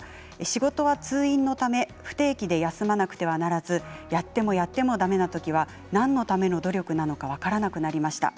仕事は通院のため不定期で休まなければならずやってもやってもだめなときは何のための努力なのか分からなくなりました。